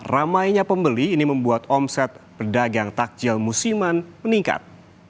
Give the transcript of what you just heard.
ramainya pembeli ini membuat omset pedagang takjil musiman meningkat